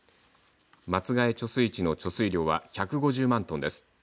松ヶ江貯水池の貯水量は１５０万トンです。